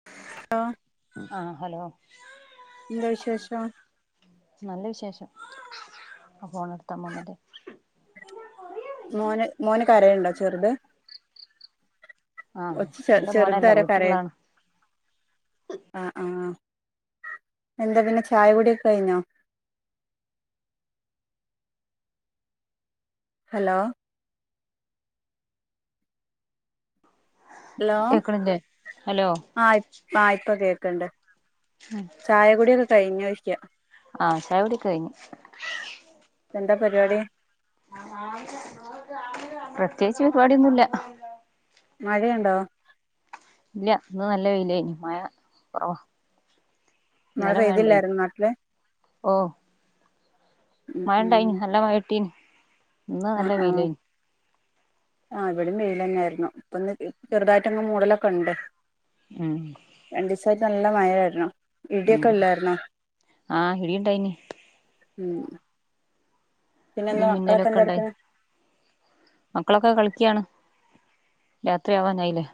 [unintelligible] ആഹ് hello ന്താ വിശേഷം? നല്ല വിശേഷം. ആ ഫോണടുത്തമ്മമ്മന്റെ മോന് മോന് കരയുണ്ടോ ചെറുത്? ആഹ് ഒച്ച ചെ എന്റെ മോനല്ല ചെറുതാര കരയ് വീട്ടിള്ളാണ് ആഹ് ആഹ് എന്താ പിന്നെ ചായ കുടിയൊക്കഴിഞ്ഞോ? ഹലോ ഹലോ കേക്ക്ണില്ലേ? ഹലോ ആഹ് ഇ ആഹ് ഇപ്പൊ കേക്കണ്ട് ചായകുടിയൊക്കെ കഴിഞ്ഞോ യ്ക്കാ. ആഹ് ചായ കുടിയൊക്കഴിഞ്ഞു എന്താ പരിപാടി? പ്രത്യേകിച്ച് പരിപാടിയൊന്നുല്ല. മഴയുണ്ടോ? ഇല്ല ന്ന് നല്ല വെയിലയനി മയ കൊറവാ. മഴ ന്നല മഴണ്ടേയ് പെയ്തില്ലായിരുന്നോ നാട്ടില് ഓഹ് ഉം ഉം മഴണ്ടായിനിം നല്ല മഴട്ടീന്. ആഹ് ആഹ് ആഹ് ഇവടിം വെയിലെന്നായിര്ന്നു ഇപ്പൊന്ന് ചെറ്തായിട്ടങ്ങ് മൂടലൊക്കെണ്ട്. ഉം രണ്ടീസായിട്ട് നല്ല മഴായിര്ന്നു ഉം ഇട്യൊക്കെല്ലായിര്ന്നോ? ആഹ് ഇടിണ്ടായിന് ഉം ഇടി പിന്നെന്താ മിന്നലൊക്കെ ഇണ്ടായി മക്കളൊക്കെന്താട്ക്ക്ണെ? മക്കളൊക്കെ കളിക്ക്യാണ് രാത്രിയാവാനായില്ലേ.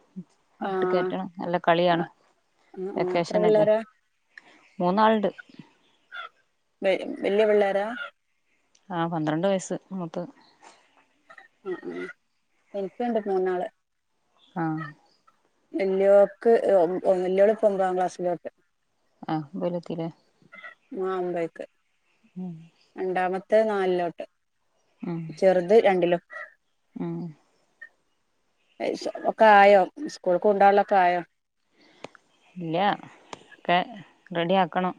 വീട്ട് ആഹ് കേറ്റണം നല്ല കളിയാണ് ആഹ് ആഹ് എത്ര വെക്കേഷനല്ലേ പിള്ളേരാ മൂന്നാള്ണ്ട്. വെ വെല്ല്യെ പിള്ളാരാ? ആഹ് പന്ത്രണ്ട് വയസ്സ് മൂത്തത് ഉം ഉം എനിക്കുണ്ട് മൂന്നാള്. ആഹ് വെല്ല്യോക്ക് ഓം [unintelligible] വെല്ല്യോള്പ്പൊമ്പതാം ക്ലാസ്സിലോട്ട്. ആഹ് വെല്ത് ലേ ആഹ് ഒമ്പേക്. ഉം രണ്ടാമത്തെ നാലിലോട്ട് ഉം ചെറ്ത് രണ്ടിലും. ഉം ഏഹ് സൊ [unintelligible] ക്കായോ സ്കൂൾക്ക് കൊണ്ടോവാള്ളൊക്കായോ? ഇല്ല ഒക്കെ റെഡ്യാക്കണം.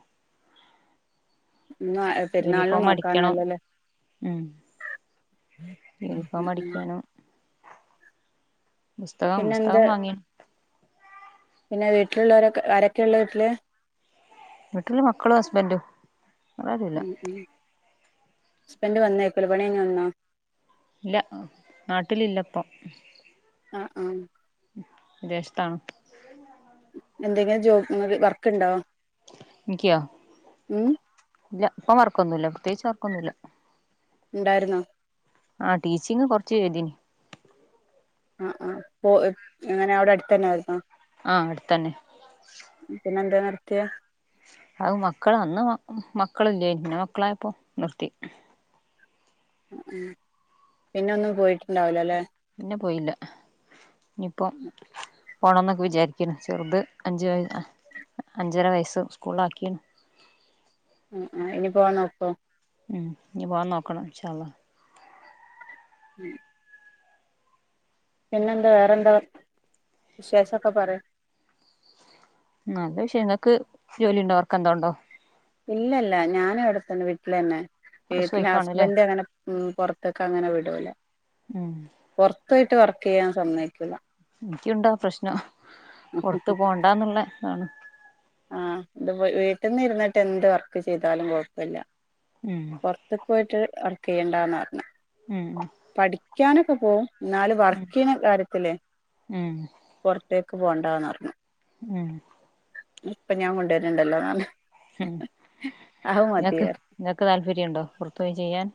ഇന്ന് പെരുന്നാളിന് യൂണിഫോമടിക്കണം നോക്കാനായല്ലോല്ലേ ഉം ഉം ഉം യൂണിഫോമടിക്കാനും പുസ്തകം പിന്നെ എന്ത് പുസ്തകം വാങ്ങി. പിന്നെ വീട്ടിലുള്ളോരൊക്കെ ആരെക്കെള്ളെ വീട്ടില്? വീട്ടില് മക്കളും ഹസ്ബൻഡും വേറാരൂല്ല. ഹസ്ബെൻ്റ്ഡ് വന്നേക്ക്ല് പണ്യഴ്ഞ്ഞ് വന്നോ? ഇല്ല നാട്ടിലില്ലപ്പൊ. ആഹ് ആഹ് വിദേശത്താണ്. എന്തെങ്കിലും ജോബ് ഇങ്ങക്ക് വർക്ക്ണ്ടോ? ഇൻക്ക്യോ ഇല്ല ഇപ്പം വർക്കൊന്നുല്ല പ്രത്യേകിച്ച് വർക്കൊന്നുല്ല. ഉണ്ടായിര്ന്നോ? ആഹ് ടീച്ചിങ് കൊർച്ച് ചെയ്തീനി. ആഹ് ആഹ് പോ എഹ് അങ്ങനെ അവടെ അട്ത്തെന്നെയായിരുന്നോ? ആഹ് അട്ത്തെന്നെ പിന്നെന്തേ നിർത്ത്യേ? അത് മക്കള് അന്ന് മ മക്കളില്ലേനി പിന്നെ മക്കളായപ്പൊ നിർത്തി. ഉം പിന്നൊന്നും പോയിട്ട്ണ്ടാവൂലല്ലെ? പിന്നെ പോയില്ല. ഇപ്പോ പോണൊന്നൊക്കെ വിചാര്ക്ക്ണ് ചെറ്ത് അഞ്ച് വയ ആഹ് അഞ്ചര വയസ്സ് സ്കൂളാക്കിണ്. ആഹ് ആഹ് ഇനി പോവാൻ നോക്കോ? ഉം ഇഞ് പോവാൻ നോക്കണം ഇൻഷാ അള്ളാ. ഉം പിന്നെന്താ വേറെന്താ വിശേഷെക്കെ പറയ്. ഉം നല്ല വിശേഷം നിങ്ങക്ക് ജോലി ഉണ്ടോ വർക്കെന്തോണ്ടോ? ഇല്ലല്ല ഞാനും എവിടെത്തന്നെ വീട്ടിലെന്നെ. ഹൗസ് വീട്ടിലെ വൈഫ് ആണ്ല്ലേ ഹസ്ബൻഡ് അങ്ങനെ ഉം പൊറത്തക്ക് അങ്ങനെ വിടൂല. ഉം പൊറത്തോയിട്ട് വർക്ക് ചെയ്യാൻ സമ്മയിക്കൂല എനിക്കുണ്ടാ പ്രശ്നം പുറത്ത് പോകണ്ടാന്നുള്ള ഇതാണ് ആഹ് ഇത് വീട്ടിൽ നിന്ന് ഇരുന്നിട്ട് എന്ത് വർക്ക് ചെയ്താലും കുഴപ്പമില്ല ഉം പുറത്തു പോയിട്ട് വർക്ക് ചെയ്യേണ്ടന്ന് പറഞ്ഞ് ഉം ഉം പഠിക്കാനൊക്കെ പോവും എന്നാല് വർക്ക് ഉം ചെയ്യുന്ന കാര്യത്തിലേ ഉം പുറത്തേക്ക് പോണ്ടാന്ന് പറഞ്ഞു ഉം ഇപ്പൊ ഞാൻ കൊണ്ടുവരണ്ടല്ലോ നാളെ ഉം നിങ്ങക്ക് പറഞ്ഞ് നിങ്ങക്ക് താല്പര്യണ്ടോ പുറത്തുകയും ചെയ്യാൻ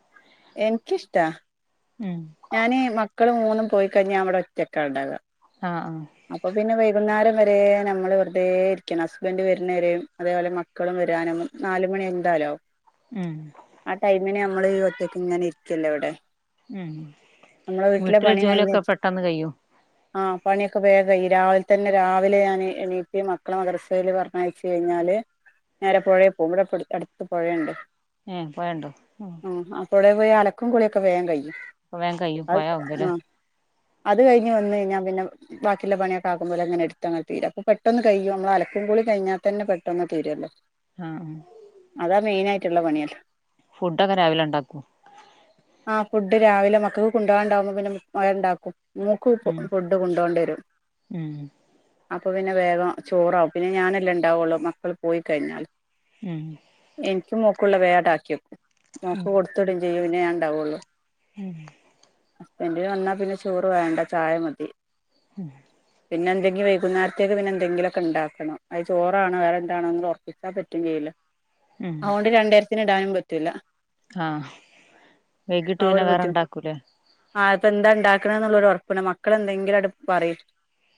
എനിക്ക്ഷ്ടാ ഉം ഞാന് മക്കള് മൂന്നും പോയി കഴിഞ്ഞാ ഞാൻ ഇവിടെ ഒറ്റക്കാ ഉണ്ടാക ആഹ് ആഹ് അപ്പൊ പിന്നെ വൈകുന്നേരം വരെ നമ്മള് വെറുതെ ഇരിക്കണം ഹസ്ബൻഡ് വരുന്നവരെയും അതേപോലെ മ മക്കളും വരാനും നാലുമണി എന്തായാലും ആകും ഉം ആഹ് ടൈമിന് നമ്മള് ഈ ഒറ്റയ്ക്ക് ഇങ്ങനെ ഇരിക്കല്ല ഇവിടെ ഉം നമ്മളെ വീട്ടിലെ വീട്ടല കഴിഞ്ഞ ജോലിയൊക്കെ പെട്ടെന്ന് കയിയോ ആഹ് പണി വേഗം ഈ രാവിലെ തന്നെ രാവിലെ ഞാൻ എണീക്ക് മക്കളെ മദർസയില് പറഞ്ഞയച്ച കഴിഞ്ഞാല്. നേരെ പുഴെ പോകും ഇവിടെ അടുത്ത പുഴയുണ്ട് ഏഹ് പോയണ്ടോ ആ അപ്പടെ പോയി അലക്കും കുളിയൊക്കെ വേം കഴിയും വേം കയ്യും അ പോയാവുമ്പല്ലേ ആ അത് കഴിഞ് വന്നു കഴിഞ്ഞാൻ പിന്നെ ബാക്കിയുള്ള പണിയൊ ആക്കുമ്പോ അങ്ങനെ എടുങ്ങ തീരും അപ്പ പെട്ടന്ന് കിയോ നമ്മള് അലക്കും കൂളി കഴിഞാൽ തന്നെ പെട്ടോന്നന്ന് തീരുല്ലോ ആഹ് അതാ മെയിനായിട്ടുള്ള പണിയാല്ലേ ഫുഡ്ക്കെ രാവില ഉണ്ടാക്കും ആഹ് ഫുഡ് രാവിലെ മക്കക്ക് കൊണ്ട്പോകാണ്ടാവുമ്പോ പിന്നെ മയണ്ടാക്കും മൂക്ക് ഉം ഫുഡ് കൊണ്ടോണ്ട വരും ഉം അപ്പൊ പിന്നെ വേഗം ചോറാവും പിന്നെ ഞാനെല്ലാം ഉണ്ടാവുള്ളു മക്കള് പോയി കഴിഞ്ഞാൽ ഉം എനിക്കും മോക്കുള്ള വേട ആക്കിയക്കും മോക്ക് കൊടുത്തിടയും ചെയ്യും പിനാണ്ടാവുള്ളു ഉം ഹസ്ബൻഡ് വന്നാൽ പിന്നെ ചോറ് വേണ്ട ചായ മതി ഉം പിന്നെ എന്തെങ്കില വൈകുന്നേരത്തേക്ക് പിന്നെ എന്തെങ്കിലൊക്കെ ഉണ്ടാക്കണം അത് ചോറാണോ വേറെ എന്താന്ന് ഉറപ്പാൻ പറ്റണില്ല ഉം അതുകണ്ട് രണ്ടായിരത്തിന് ഇടാനും പറ്റൂല്ല ആഹ് വൈകിട്ട് പിന്നെ വേറെ ഉണ്ടാക്കൂലേ ആഹ ഇപ്പൊ എന്താ ഉണ്ടാക്കണ എന്നുള്ളരു ഉറപ്പന്ന മക്കള എന്തെങ്കിലും പറയും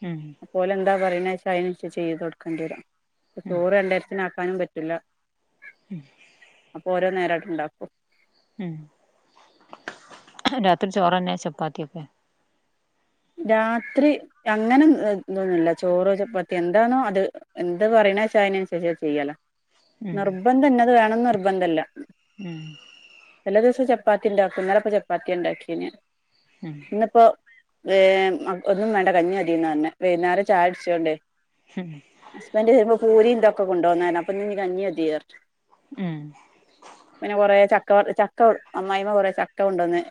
ഉം ഓലെന്താ പറയുന്നത്ച്ച അതിനനുസരിച്ച് ചെയ്ത് കൊടുക്കേണ്ടി വരും ഉം ക്കാനും പറ്റില്ല ഉ അപ്പൊ ഓരോ നേരമായിട്ട് ഉണ്ടാക്കും രാത്രി ചോറ് തന്നെ ചപ്പാത്തിയൊക്കെ രാത്രി അങ്ങനെഇതൊന്നുല ചോറോ ചപ്പത്തി എന്താണോ അത്. എന്ത് പറയണ വച്ചാ അതിനനുസച്ച ചെയ്യാല ഉം നിർബന്ധം എന്നത് വേണം നിർബന്ധല്ല. ഉം എല്ലാ ദിവസം ചപ്പാത്തിയിണ്ടാക്കും. ഇന്നലപ്പ ചപ്പാത്തി ഉണ്ടാക്കി ഞാൻ ഉം ഇന്നിപ്പോ ഒന്നും വേണ്ട കഞ്ഞി മതിന്ന് പറഞ്ഞ് വൈന്നേരം ചായ കുടിച്ചോണ്ട്. ഉം ഹസ്ബന്റ് വരുമ്പോ പൂരി ഇന്തൊക്കെ കൊണ്ട് വന്നാണ് അപ്പോ ഇന്ന് ഇനി കഞ്ഞീ മതി പറഞ്ഞ് ഉം പിന്നെ കൊറെ ചക്ക കൊണ്ടുവന്നു അമ്മായിമ്മ കൊറേ ചക്ക കൊണ്ട് വന്നേ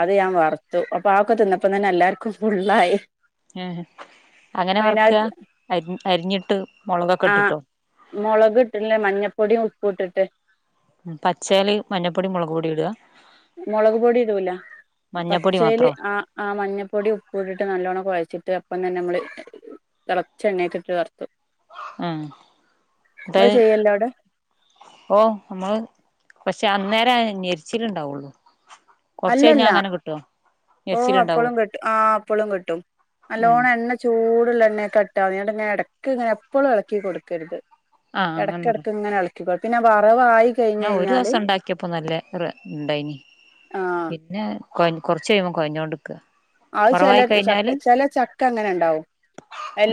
അത് ഞാൻ വറുത്തു അപ്പാ ആക്കൊ തിന്നപ്പതന്നെ എല്ലാർക്കും ഫുള്ളായി ഏ അങ്ങനെ പിന്നെ വർക്കാ അത് അരിഞ്ഞിട്ട് മുളകൊക്കെ ഇട്ട്ട്ടോ മൊളക് ഇട്ടില്ല മഞ്ഞൾപ്പൊടിയും ഉപ്പും ഇട്ടിട്ട് പച്ചേല് മഞ്ഞപ്പൊടി മുളക് പൊടി ഇടുക. മൊളക് പൊടി ഇടൂല മഞ്ഞപ്പൊടി പച്ചേല് മാത്രോ ആഹ് ആഹ് മഞ്ഞപ്പൊടി ഉപ്പ് ഇട്ടിട്ട് നല്ലോണ്ണം കൊഴച്ചിട്ട് അപ്പം തന്നെ ഞമ്മള് തിളച്ച എണ്ണേക്കിട്ട് വർത്തു ഉ ചെയ്യല്ലോ അവിടെ ഓ അമ്മള് പക്ഷേ അന്നേരം ആ ഞെരിച്ചില് ഇണ്ടാവുള്ളു അല്ലല്ല ഓ ഞെരിച്ചിലുണ്ടാവോ അപ്പളും കിട്ടും ആഹ് അപ്പളും കിട്ടും ഉം നല്ലോണം എണ്ണ ചൂടുള്ളാ എണ്ണേകെട്ടാതി എടങ്ങേ എടക്ക് ഇങ്ങനെ എപ്പഴും എളക്കി കൊടുക്കരുത്. ആഹ് അങ്ങനൊന്നുല്ല ഇടക്കിടക്ക് ഇങ്ങനെ ഇളക്കോ പിന്നെ വറവായി കഴിഞ്ഞ് ഞാൻ ഒരു കഴിഞ്ഞാല് ദിവസം ഉണ്ടാക്കിയപ്പോ നല്ല രസം ഇണ്ടായിനി ആ പിന്നെ കൊറച്ച് കഴിയുമ്പോ കൊഴഞ്ഞോണ്ട്ക്ക് അത് ചെല ചക്ക അങ്ങനെ ഇണ്ടാവും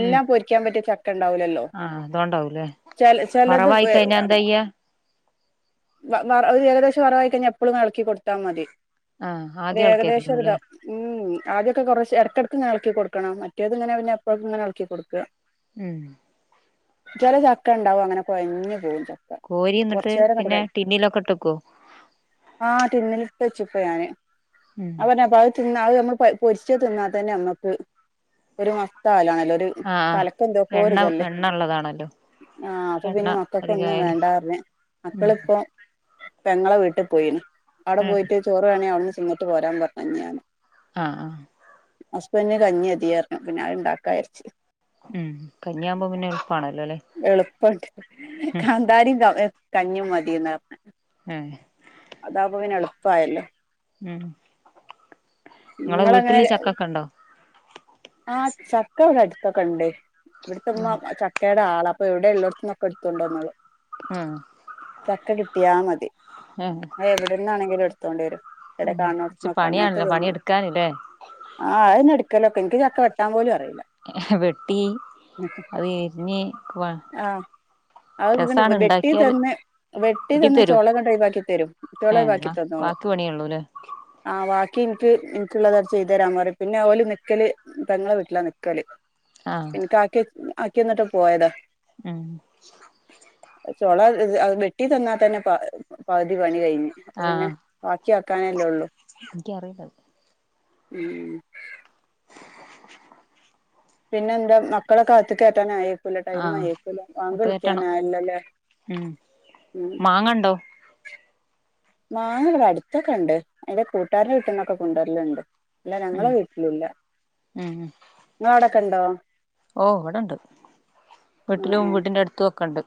ഉം പൊരിക്കാൻ പറ്റിയ ചക്ക ഇണ്ടാവുലല്ലോ ആഹ് അതൊണ്ട് ചെലത് എന്തായ്യാ ഏകദേശം വറ്‌വായി കഴിഞ്ഞാൽ എപ്പളും ഇങ്ങ് എളക്കി കൊടുത്താൽ മതി. ആഹ് ആദ്യം ഏകദേശത് എളക്കായിരുന്നുല്ലേ ഇതാവും ആദ്യൊക്കെ കൊറശ് എടക്ക് എടക്ക് ഇങ്ങന എളക്കി കൊടുക്കണം മറ്റേത് ഇങ്ങന പിന്നെ എപ്പോഴും ഇങ്ങനെ എളക്കി കൊടുക്കാ ഉം ചെല ചക്ക ഇണ്ടാവും അങ്ങന കൊഴഞ്ഞ് പോവും. കോരി എന്നിട്ട് പിന്നെ ടിന്നിലൊക്കെ ഇട്ടൊക്കോ? ആഹ് ട്ടിന്നിലിട്ട് വെച്ച്പ്പേ ഞാന് ഉം അത് പറഞ്ഞപ്പം അത് തിന്നാ അത് ഞമ്മള് കൊയ് പൊരിച്ച തിന്നാ തന്നെ ഞമ്മക്ക് ഒരു മത്താവൽ ആണല്ലോ ആഹ് എണ്ണ ഉള്ളതാണല്ലോ ആഹ് അപ്പോ എണ്ണ പിന്നെ മക്കൾക്ക് ഒന്നും അധികായാല് വേണ്ടാർഞ്ഞ് ഉം മക്കളിപ്പോ പെങ്ങളെ വീട്ടി പോയിന് അവിടെ ഏഹ് പോയിട്ട് ചോറ് വേണേ അവിടുന്ന് ചിന്നിട്ട് പോരാൻ പറഞ്ഞ് ഞാൻ ആഹ് ആഹ്. ഹസ്ബൻഡ്ന് കഞ്ഞി മതീ പറഞ്ഞു പിന്ന അത് ഉണ്ടാക്കാ വിയാരിച്ചു. ഉം കഞ്ഞിയാവുമ്പോം പിന്നെ എളപ്പാണല്ലോ അല്ലെ? എളുപ്പിണ്ട് കാന്താരീം കൗ എ കഞ്ഞീം മതിന്നാ പറഞ്ഞെ. ഏഹ്. അതാപ്പ പിന്നെ എളുപ്പായല്ലോ. ഉം ഇങ്ങളെ നിങ്ങളങ്ങനെ വീട്ടില് ചക്കക്ക ഉണ്ടോ? ആഹ് ചക്ക ഇവിടെ അടുത്തൊക്ക ഇണ്ടേ ഇവിടുത്തമ്മ ച ക്കേട ആളാ അപ്പോ ഇവിടെ ഇള്ളടത്തുന്നൊക്കെ എടുത്തോണ്ട് വന്നോളും. ആഹ് ചക്ക കിട്ടിയാ മതി ആഹ് അത് എവിടന്നാണെങ്കിലും എടുത്തോണ്ട് വരും. എടെ ഉം കുറച്ച് കാൺണോടത്ത്ന്നൊക്ക പണിയാണല്ലോ അങ്ങനത്തത് ഒന്നുല്ല. പണിയെടുക്കാനില്ലേ ആഹ് അയിന് എടുക്കലോക്കെ എനിക്ക് ചക്ക വെട്ടാൻ പോലും അറിയില്ല. വെട്ടി അത് എരിഞ്ഞ് വ അ ഇങ്ങനെ വെട്ടി തന്ന് വെട്ടി തന്ന് ചോള അങ്ങട്ട് ഒഴിവാക്കി തരും കുട്ട്യോള് ഏഹ് ന്നാ വാക്കി പണിയുള്ളൂല്ലേ? ആഹ് വാക്കി ഇൻക്ക് എനിക്കുള്ളതാര് ചെയ്ത് തരാൻ പറയി പിന്നെ ഓല് നിക്കല് പെങ്ങളെ വീട്ടിലാ നിക്കല് ആഹ് ഇൻക്ക് ആക്കി ആക്കിയന്നിട്ട് പോയതാ. ഉം. ചോള ഇല്ലത് അത് വെട്ടി തന്ന തന്നെ പ പകുതി പണി കഴിഞ്ഞ്. അപ്പോ പിന്നെ ബാക്കി ആക്കാനല്ലേ ഉള്ളു. എനിക്കറീല. ഉം. പിന്നെ എന്താ മക്കളെ ഒക്കെ അകത്ക്ക് ‌കേറ്റാനായേ? ക്കൂലേ ആഹ് ടൈമായേക്കുലേ വാങ്ക് അപ്പ വിളിക്കാൻ കയറ്റണം ആയാല്ലോ ലേ ഉം ഉം. മാങ്ങണ്ടോ? മാങ്ങ ഇവിടെ അടുത്തൊക്കെ ഇണ്ട് എന്റെ കൂട്ടുകാര്ടെ വീട്ടുന്നൊക്കെ കൊണ്ടു വരലിണ്ട്. അല്ല ഉം ഞങ്ങളെ വീട്ടിലില്ല ഉം ഇങ്ങളെ അവിടൊക്കെണ്ടോ? ഓ ഇവിടെണ്ട് ആ ആ വീട്ടിലും വീടിന്റെ അടുത്തും ഒക്കെ ഉണ്ട്.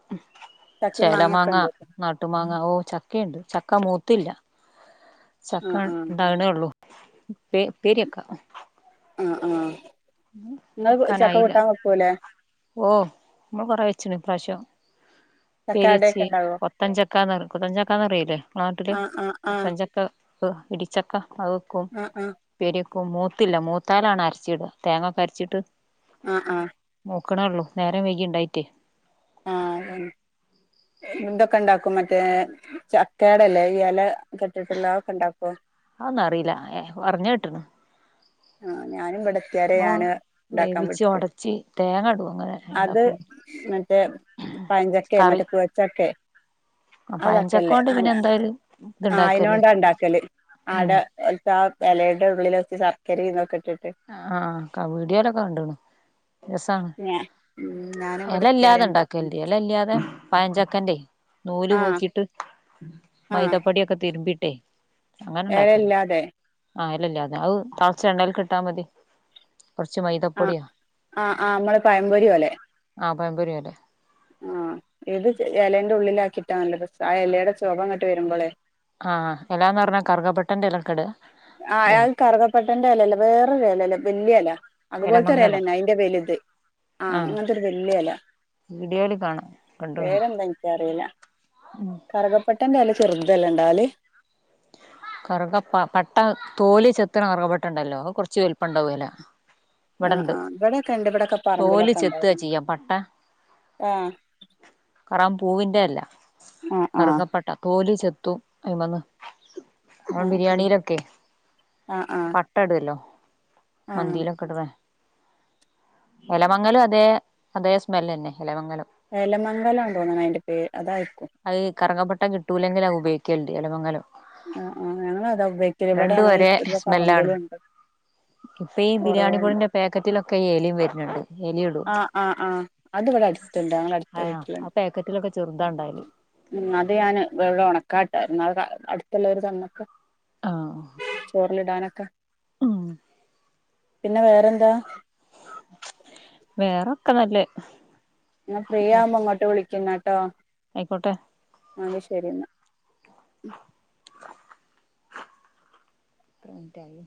ചക്കയും ചെല മാങ്ങയൊക്കെ മാങ്ങ ഉണ്ട് നാട്ട് ട്ട് മാങ്ങ ഓ ചക്കയുണ്ട് ചക്ക മൂത്തില്ല ആ ചക്ക ആ ഉണ്ടാവണേ ഉള്ളു. പെ ഉപ്പേരിവെക്കാ. ആഹ് ആഹ് ഇങ്ങള് ചക്ക വെക്കാനായില്ല കുട്ടാൻ വെക്കുലെ? ഓ നമ്മള് കൊറെ വെച്ചിണ് ഇപ്രാശോം. ചക്ക പ്പേരി വെച്ച് അടയൊക്കെ ഉണ്ടാവോ കൊത്തൻ ചക്കാന്ന് പറ കൊത്തൻ ചക്കാന്ന് പറയുലേ നിങ്ങള നാട്ടില് ആ ആ ആ കൊത്തൻ ആ ചക്ക. പ്പോ ഇടിച്ചക്ക അഹ് വെക്കും. ഉപ്പേരിയെക്കും മൂത്തില്ല മൂത്താലാണ് അരച്ചിട തേങ്ങൊക്കെ അരച്ചിട്ട്. ആഹ് ആഹ്. നോക്കണെ ഉള്ളൂ നേരം വൈകി ഇണ്ടായിട്ടേ. ആഹ് ഇന്തോക്കെ ഇണ്ടാക്കും മറ്റേ ചക്കേട ഇല്ലേ ഈ എല- കെട്ടിട്ടുള്ള അഹ് ഒക്കെ ഉണ്ടാക്കൂം. അഹ് ഒന്നും അറീല ഏഹ് പറഞ്ഞേട്ട്ണ്. ആഹ് ഞാനും ഇവിടെ റ്റാര് നമ്മള് ഞാന് ഉണ്ടാക്കാൻ വേവിച്ച് പഠിച്ചത് ഒടച്ച് തേങ്ങ ഇടും അങ്ങനെ അത് ഇണ്ടാക്കുള്ളൂ മറ്റേ റ്റേ പയഞ്ചക്കെ കറി മറ്റേ കുഴച്ചക്കെ ആഹ് ചാക്കല്ലേ പഴഞ്ചക്കോണ്ട് പിന്നെ ആൽഅ എന്തായാലും ഇത്ണ്ടാക്കല്ലോ ആയിനോണ്ടണ്ടാക്കല് ഉം ആടെ എൽത്താ എലേടെഉള്ളിലൊച് ശർക്കരിംന്നൊക് ട്ടിട്ട് ആഹ് ക വീഡ്യോലൊക്കെ കണ്ട്ണ് രസാണ് ഞാ ഉം ഞാനും ഇവിടെത്തിയാരെ ഇണ്ടാക്കാൻ എലല്ലാതെണ്ടാക്കൽണ്ട് പഠിച്ചെ എലല്ല്യാതെ പയഞ്ചക്കന്റെയ് നൂല് ആ പോക്കീട്ട് ആ മൈദപ്പടിയോക്കെ തിര്മ്പിട്ടേയ് അങ്ങനെണ്ടാക്കല് എലയില്ലാതെ ആഹ് എലല്യാതെ അത് തൾചഎണ്ണേൽക്ക്‌ട്ടാമതി കോർച്ച് മൈദം ആഹ് ആഹ് ആഹ് ങ്ങള് പയം പൊരി ഓലെ ആഹ് പയം പൊരി ഓലെ ആഹ് ഇത് ച് എലന്റെ ഉള്ളിലാക്കിട്ടാ നല്ലരസ് ആഹ് എലേടെ ചോഭഅങ്ങട്ട് വരുമ്പളേ ആഹ് എല്ലാന്നർഞ്ഞാ കറുകപട്ടന്റെ എലട്ക്കടാ ആഹ് ഏയ് കറ്കപ്പട്ടന്റെ എലല്ല വേറൊര് എലല്ലേ വല്യയല എലമങ്ങലോ അത്പോൽത്തൊരല്ലന്നെ അയ്ന്റെ വലുത് ആ ആഹ് ങ്ങൻത്തൊരു വല്യ എല വീഡിയോയില് കാണാം കണ്ട്ണ് പേരെന്താ ൻക്കറീല കറ്കപ്പട്ടന്റെ എല ചെറ്തല്ലേണ്ടാവല് കറ്ക പ പട്ട തോല് ചെത്ത്ണാ കറ്കപട്ടണ്ടല്ലോ അത് കൊർച്ച് വൽപ്പം ണ്ടാവൊല ആ വടണ്ട് ആ ഇവിടെയൊക്കെ ഇണ്ട് ഇവിടൊക്കെ തോല് പറമ്പിലൊക്കെ ചെത്താ ഉണ്ടായിരുന്നു ചിയ്യാ പട്ട ആ കറാംപൂവിന്റെ അല്ല ആ ആ കറ്കപ്പട്ട തോല് ചെത്തും അയ്മന്ന് ആഹ് ആ ബിരിയാണിലോക്കെ ആ ആ പ ട്ടട്അല്ലോ ആ മന്തീലൊക്കെടുവെ എലമംങ്ങലുഅതേ അതേ സ്മെല്ലന്നെ എലമംങ്ങലം എലമംങ്ങലാൺതോന്ന്ണയ്ൻ്റെ പേ അതായിര്ക്കും അത് കറ്കപ്പട്ട കിട്ടൂലങ്ങിൽ അത് ഉപയോഗിക്കൽണ്ട് എലമംങ്ങലം ആഹ് ആഹ് ഞങ്ങളതാഉഭേ രണ്ടു ഒരെ സ്മെല്ലാണ് ഇപ്പീ കൊറേ ഉണ്ട് ബിരിയാണിപൊടിൻ്റെ പേക്കറ്റിലൊക്കെ ഏലിം വര്ന്ണ്ട് ആഹ് ആഹ് ആഹ് അത് വടെ അട്ത്ണ്ട് ങ്ങളെ അട്ത്തവീട്ടില്ൺ കെറ്റ്ലൊക്കെ ചെർതാണ്ടായല് ഉം അത് ഞാന് വെള്ള ഒണക്കാട്ടായിര്ന്നു അഹ് ക അട്ത്ത് ള്ളോര് തന്നപ്പോ ആഹ് ചോർലിടാനൊക്കെ ഉം പിന്നെ വേറെന്താ വേറൊക്കെ നല്ലഹ് ഞാ ഫ്രീയാവുമ്പോ ഇങ്ങോട്ട് വിളിക്യന്നാട്ടോ അയ്ക്കോട്ടെ ആഹ് ന്നശരിന്ന ത്ര മിൻറ്റായി